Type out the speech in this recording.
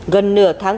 gần nửa tháng